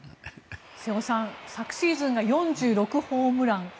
瀬尾さん昨シーズンが４６ホームラン。